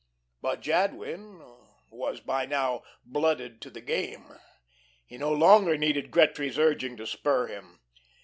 But Jadwin was by now "blooded to the game." He no longer needed Gretry's urging to spur him.